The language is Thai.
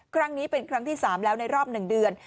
ครั้งนี้เป็นครั้งที่๓แล้วในรอบ๑เดือน